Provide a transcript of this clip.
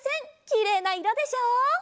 きれいないろでしょ？